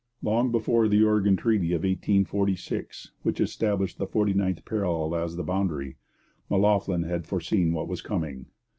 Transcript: Long before the Oregon Treaty of 1846, which established the 49th parallel as the boundary, M'Loughlin had foreseen what was coming.